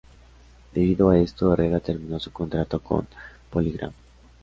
Debido a esto, Herrera terminó su contrato con Polygram.